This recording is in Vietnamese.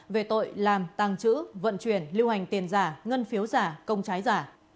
về tội làm tăng trữ vận chuyển lưu hành tiền giả ngân phiếu giả công trái giả